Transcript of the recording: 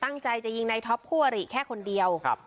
ตั้งใจจะยิงในท็อปคู่อริแค่คนเดียวครับ